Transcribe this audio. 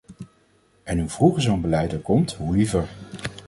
En hoe vroeger zo'n beleid er komt, hoe liever.